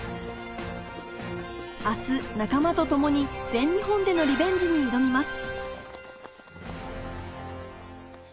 明日仲間と共に全日本でのリベンジに挑みます